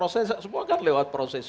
semua kan lewat proses hukum